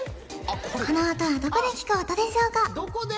この音はどこで聞く音でしょうかどこで？